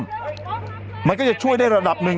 เป็นการกระตุ้นการไหลเวียนของเลือด